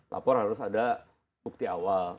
lapor harus ada bukti awal